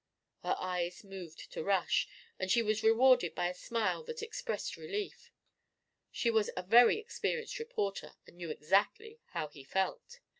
Her eyes moved to Rush, and she was rewarded by a smile that expressed relief. She was a very experienced reporter and knew exactly how he felt.